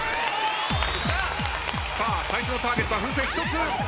最初のターゲットは風船１つ。